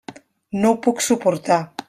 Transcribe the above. No ho puc suportar.